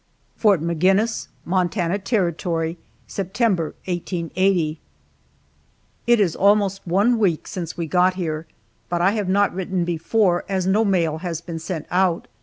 FORT MAGINNIS, MONTANA TERRITORY, September, 1880. IT is almost one week since we got here, but I have not written before as no mail has been sent out.